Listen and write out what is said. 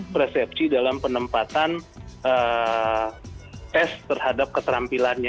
persepsi dalam penempatan